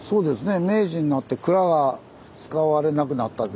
そうですよね。